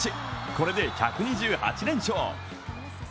これで１２８連勝。